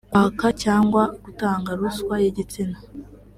kwaka cyangwa gutanga ruswa y’igitsina